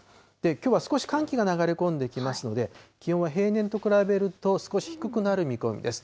きょうは少し寒気が流れ込んできますので、気温は平年と比べると、少し低くなる見込みです。